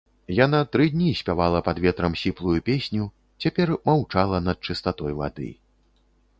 Яна тры дні спявала пад ветрам сіплую песню, цяпер маўчала над чыстатой вады.